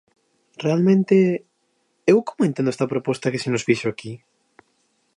Realmente, ¿eu como entendo esta proposta que se nos fixo aquí?